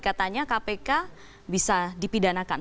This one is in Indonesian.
katanya kpk bisa dipidanakan